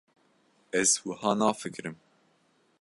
Ez wiha nafikirim.